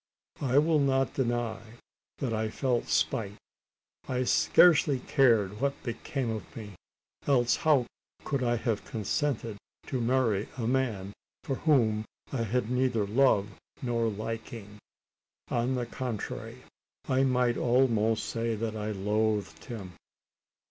I will not deny that I felt spite. I scarcely cared what became of me else how could I have consented to marry a man for whom I had neither love nor liking? On the contrary, I might almost say that I loathed him."